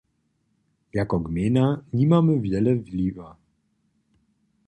Jako gmejna nimamy wjele wliwa.